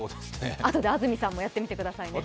あとで安住さんもやってみてくださいね。